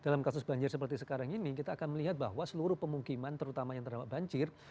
dalam kasus banjir seperti sekarang ini kita akan melihat bahwa seluruh pemukiman terutama yang terdapat banjir